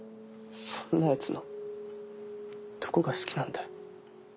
そんなやつのどこが好きなんだよ。